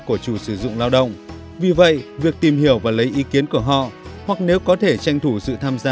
của chủ sử dụng lao động vì vậy việc tìm hiểu và lấy ý kiến của họ hoặc nếu có thể tranh thủ sự tham gia